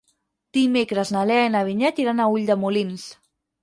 Dimecres na Lea i na Vinyet iran a Ulldemolins.